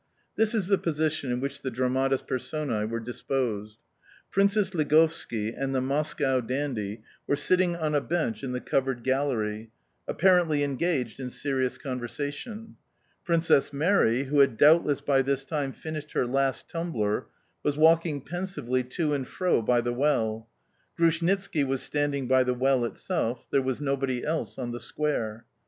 This is the position in which the dramatis personae were disposed: Princess Ligovski and the Moscow dandy were sitting on a bench in the covered gallery apparently engaged in serious conversation. Princess Mary, who had doubtless by this time finished her last tumbler, was walking pensively to and fro by the well. Grushnitski was standing by the well itself; there was nobody else on the square.